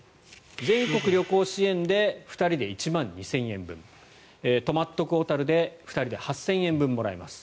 全国旅行支援で２人で１万２０００円分。とまっ得おたるで２人で８０００円分もらえます。